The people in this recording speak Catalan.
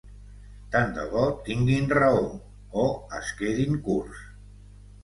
Tant de bo tinguin raó… o es quedin curts.